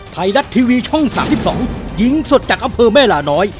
ไทยรัฐทีวีช่อง๓๒หญิงสดจากอำเภอแม่ลาน้อย